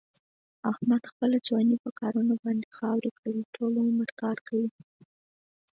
احمد خپله ځواني په کارونو باندې خاورې کړله. ټول عمر کار کوي.